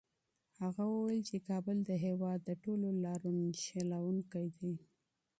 هغه وویل چي کابل د هېواد د ټولو لارو نښلوونکی دی.